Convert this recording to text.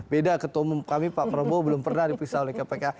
beda ketua umum kami pak prabowo belum pernah diperiksa oleh kpk